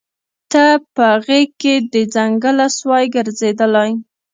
نه په غېږ کي د ځنګله سوای ګرځیدلای